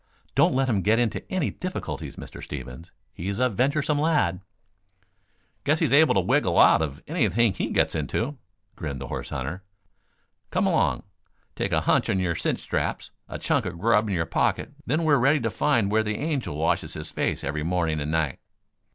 Don't let him get into any difficulties, Mr. Stevens. He's a venturesome lad." "Guess he's able to wiggle out of anything he gets into," grinned the horse hunter. "Come along; take a hunch on your cinch straps, a chunk of grub in your pocket; then we're ready to find where the Angel washes his face every morning and night."